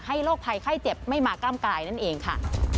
โรคภัยไข้เจ็บไม่มากล้ามกายนั่นเองค่ะ